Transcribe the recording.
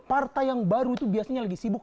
partai yang baru itu biasanya lagi sibuk